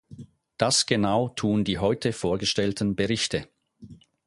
Das genau tun die heute vorgestellten Berichte.